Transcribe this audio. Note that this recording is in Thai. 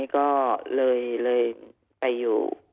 ก็เลยไปอยู่